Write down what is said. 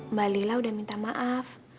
mbak lila udah minta maaf